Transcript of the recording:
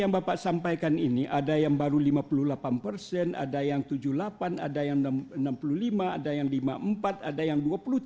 yang bapak sampaikan ini ada yang baru lima puluh delapan persen ada yang tujuh puluh delapan ada yang enam puluh lima ada yang lima puluh empat ada yang dua puluh tujuh